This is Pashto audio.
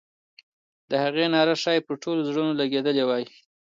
د هغې ناره ښایي پر ټولو زړونو لګېدلې وای.